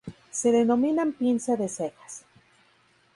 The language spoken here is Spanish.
Se denominan "pinza de cejas".